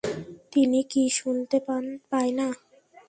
তিনি কী শুনতে পায় না?